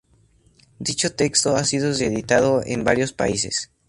Dicho texto ha sido reeditado en varios países.